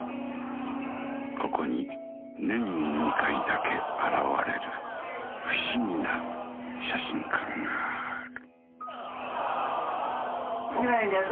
ここに年に２回だけ現れる不思議な写真館がある。